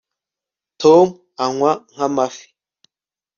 tom anywa nk'amafi